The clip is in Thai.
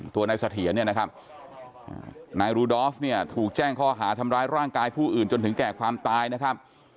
ตัวนายเสถียรเนี่ยนะครับนายรูดอฟเนี่ยถูกแจ้งข้อหาทำร้ายร่างกายผู้อื่นจนถึงแก่ความตายนะครับ